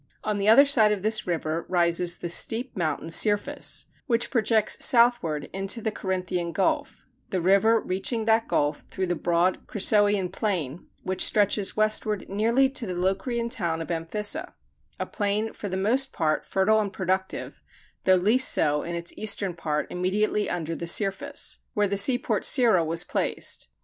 On the other side of this river rises the steep mountain Cirphis, which projects southward into the Corinthian gulf the river reaching that gulf through the broad Crissoean plain, which stretches westward nearly to the Locrian town of Amphissa; a plain for the most part fertile and productive, though least so in its eastern part immediately under the Cirphis, where the seaport Cirrha was placed.